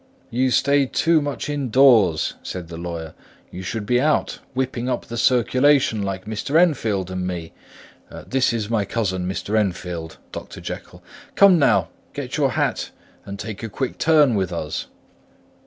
"You stay too much indoors," said the lawyer. "You should be out, whipping up the circulation like Mr. Enfield and me. (This is my cousin—Mr. Enfield—Dr. Jekyll.) Come now; get your hat and take a quick turn with us."